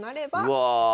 うわ！